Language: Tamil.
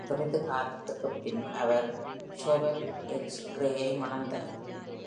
சிறிது காலத்திற்குப் பின் அவர் Samuel H. Gray-வை மணந்தார்.